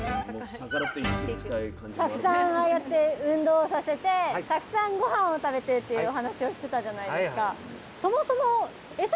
たくさんああやって運動させてたくさんごはんを食べてっていうお話をしてたじゃないですか。